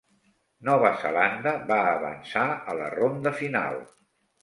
Nova Zelanda va avançar a la ronda final.